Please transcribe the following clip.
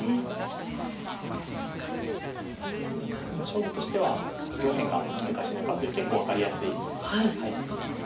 勝負としては上辺が生きるか死ぬかという結構分かりやすい。